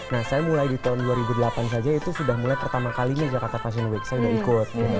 nah saya mulai di tahun dua ribu delapan saja itu sudah mulai pertama kalinya jakarta fashion week saya sudah ikut